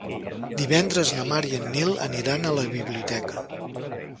Divendres na Mar i en Nil aniran a la biblioteca.